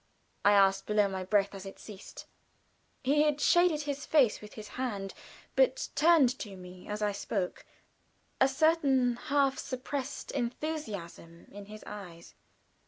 I asked below my breath, as it ceased. He had shaded his face with his hand, but turned to me as I spoke, a certain half suppressed enthusiasm in his eyes.